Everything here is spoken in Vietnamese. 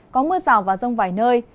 có mưa rào và rông vài nơi